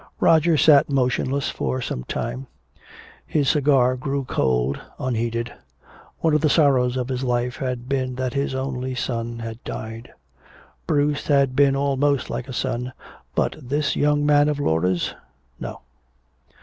Roger sat motionless for some time. His cigar grew cold unheeded. One of the sorrows of his life had been that his only son had died. Bruce had been almost like a son. But this young man of Laura's? No.